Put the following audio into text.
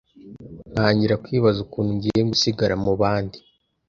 ntangira kwibaza ukuntu ngiye gusigara mu bandi.